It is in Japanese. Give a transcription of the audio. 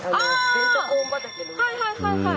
はいはいはいはい。